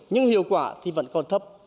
nhưng hiệu quả thì vẫn còn thấp